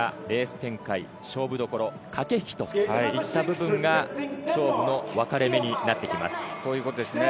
レース展開、勝負どころ、駆け引きといった部分が勝負の分かれ目になってきます。